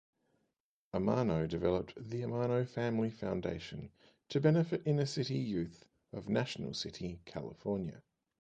Amano developed The Amano Family Foundation to benefit inner-city youth of National City, California.